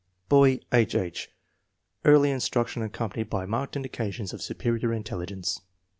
Boy: H. H. Early instruction accompa nied by marked indications of superior intelligence.